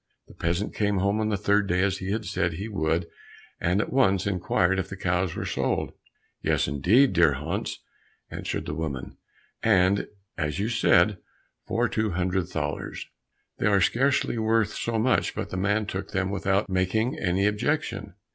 The peasant came home on the third day as he had said he would, and at once inquired if the cows were sold? "Yes, indeed, dear Hans," answered the woman, "and as you said, for two hundred thalers. They are scarcely worth so much, but the man took them without making any objection."